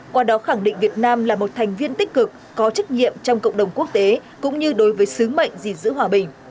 qua đó khẳng định việt nam là một thành viên tích cực có trách nhiệm trong cộng đồng quốc tế cũng như đối với sứ mệnh gìn giữ hòa bình